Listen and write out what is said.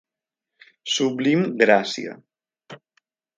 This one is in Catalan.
Sublim Gràcia.